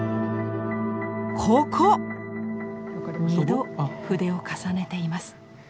２度筆を重ねています。